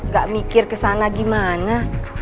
gak mikir kesana gimana